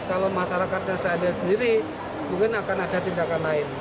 kalau masyarakatnya seandainya sendiri mungkin akan ada tindakan lain